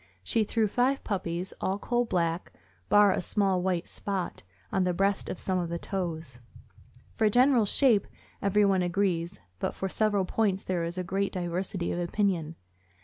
She threw five puppies, all coal black, bar a small white spot on the breast and some on the toes. For general shape, everyone agrees; but for several points there is great diversity of opinion.